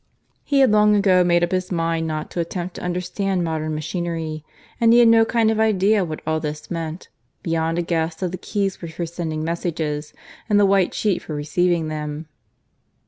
He had long ago made up his mind not to attempt to understand modern machinery; and he had no kind of idea what all this meant, beyond a guess that the keys were for sending messages, and the white sheet for receiving them.